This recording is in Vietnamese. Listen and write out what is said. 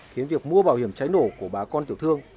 khiến việc mua bảo hiểm cháy nổ của bà con tiểu thương